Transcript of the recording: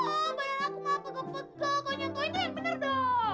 oh badan aku mah pegal pegal kau nyantuin tuh yang bener dong